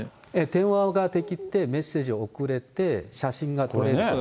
電話ができて、メッセージを送れて、写真が撮れる。